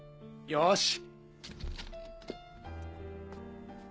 よし！